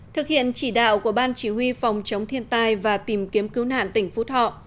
thực hiện chỉ đạo của ban chỉ huy phòng chống thiên tai và tìm kiếm cứu nạn tỉnh phú thọ